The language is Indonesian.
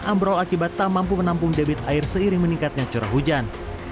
ambrol akibat tak mampu menampung debit air seiring meningkatnya curah hujan